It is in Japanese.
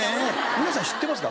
皆さん知ってますか？